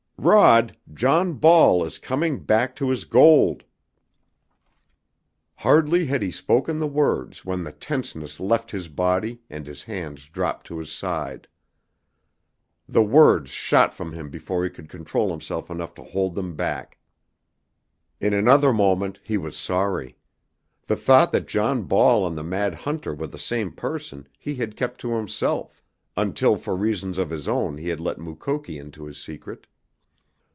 "Rod, John Ball is coming back to his gold!" Hardly had he spoken the words when the tenseness left his body and his hands dropped to his side. The words shot from him before he could control himself enough to hold them back. In another moment he was sorry. The thought that John Ball and the mad hunter were the same person he had kept to himself, until for reasons of his own he had let Mukoki into his secret.